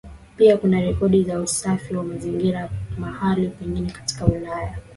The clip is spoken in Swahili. Pia kuna rekodi za usafi wa mazingira mahala pengine katika Ulaya